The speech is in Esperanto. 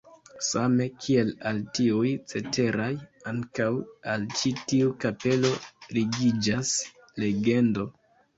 Same kiel al tiuj ceteraj, ankaŭ al ĉi tiu kapelo ligiĝas legendo.